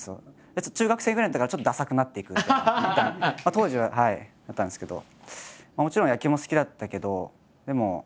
当時はあったんですけど。